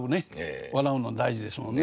笑うの大事ですもんね。